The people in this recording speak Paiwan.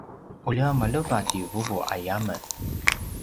ulja maleva ti vuvu aya men